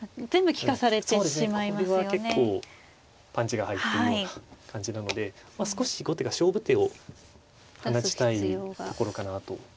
これは結構パンチが入っているような感じなので少し後手が勝負手を放ちたいところかなと思います。